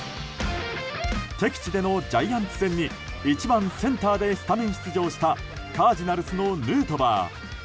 敵地でのジャイアンツ戦に１番センターでスタメン出場したカージナルスのヌートバー。